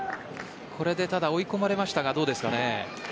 これでただ追い込まれましたがどうですかね？